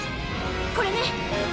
これね。